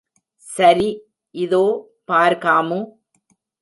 சரி இதோ பார் காமு!